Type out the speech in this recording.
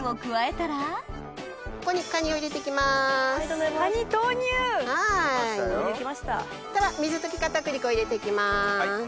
そしたら水溶き片栗粉を入れて行きます。